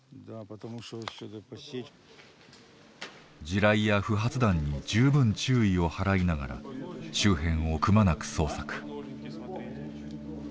地雷や不発弾に十分注意を払いながら周辺をくまなく捜索。